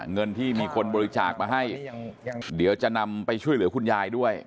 เงินที่มีคนบริจาคมาให้เดี๋ยวจะนำไปช่วยเหลือคุณยายด้วย